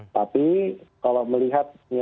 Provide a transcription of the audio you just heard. tapi kalau melihat nilai tukar rupiah